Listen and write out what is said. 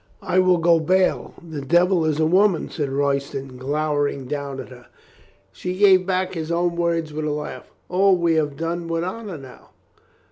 "I will go bail the devil is a woman," said Roy ston, glowering down at her. She gave back his own words with a laugh, "O, we have done with honor now."